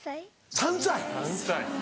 ３歳⁉